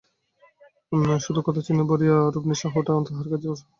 শুধু ক্ষতচিহ্নে ভরিয়া রূপনষ্ট হওয়াটাও তাহার কাছে সহজ ব্যাপার নয়।